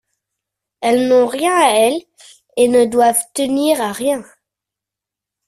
Elles n’ont rien à elles et ne doivent tenir à rien.